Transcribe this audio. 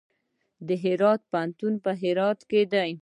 د هرات پوهنتون په هرات کې دی